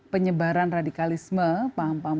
penyebaran radikalisme paham paham